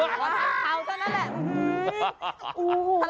เขาเท่านั้นแหละ